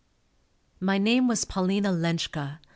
My name was Paulina Lenschke.